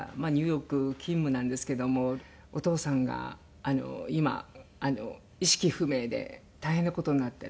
ニューヨーク勤務なんですけども「お父さんが今意識不明で大変な事になってる」。